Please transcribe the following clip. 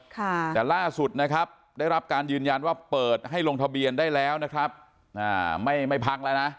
แต่ล่าสุดนะครับได้รับการยืนยันว่าเปิดให้ลงทะเบียนได้แล้วนะครับอ่าไม่ไม่พักแล้วนะ